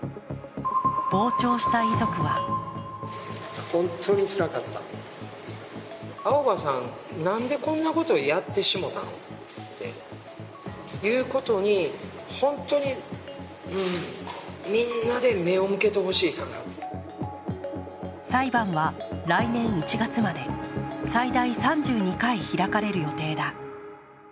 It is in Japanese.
傍聴した遺族は裁判は来年１月まで最大３２回開かれる予定だ。